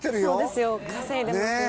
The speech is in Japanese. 稼いでますね。